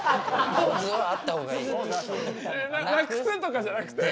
無くすとかじゃなくて？